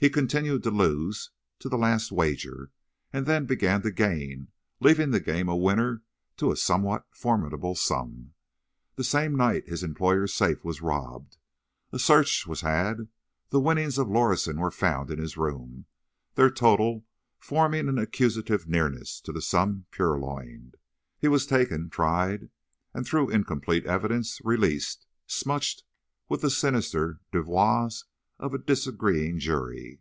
He continued to lose, to the last wager, and then began to gain, leaving the game winner to a somewhat formidable sum. The same night his employer's safe was robbed. A search was had; the winnings of Lorison were found in his room, their total forming an accusative nearness to the sum purloined. He was taken, tried and, through incomplete evidence, released, smutched with the sinister devoirs of a disagreeing jury.